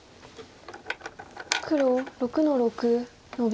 黒６の六ノビ。